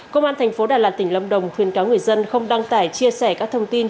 công an thành phố đà lạt tỉnh lâm đồng khuyên cáo người dân không đăng tải chia sẻ các thông tin